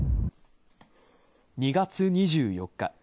２月２４日。